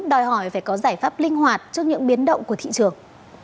đòi hỏi phải có giải pháp linh hoạt trước những biến động của thị trường